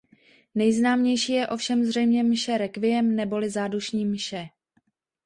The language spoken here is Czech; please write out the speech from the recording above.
Nejznámější je ovšem zřejmě mše Rekviem neboli zádušní mše.